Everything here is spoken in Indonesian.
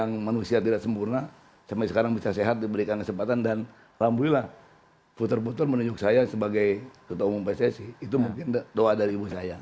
yang manusia tidak sempurna sampai sekarang bisa sehat diberikan kesempatan dan alhamdulillah putar putar menunjuk saya sebagai ketua umum pssi itu mungkin doa dari ibu saya